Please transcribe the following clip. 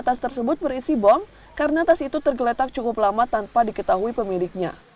tas tersebut berisi bom karena tas itu tergeletak cukup lama tanpa diketahui pemiliknya